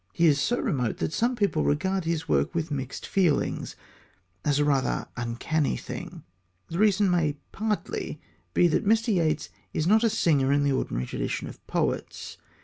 He is so remote that some people regard his work with mixed feelings, as a rather uncanny thing. The reason may partly be that Mr. Yeats is not a singer in the ordinary tradition of poets.